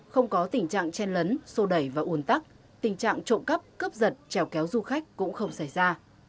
không có tình trạng chen lấn sô đẩy và ủn tắc tình trạng trộm cắp cướp giật trèo kéo du khách cũng không xảy ra